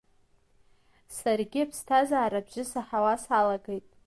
Саргьы аԥсҭазаара абжьы саҳауа салагеит.